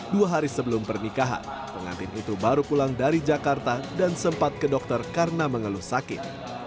dua hari sebelum pernikahan pengantin itu baru pulang dari jakarta dan sempat ke dokter karena mengeluh sakit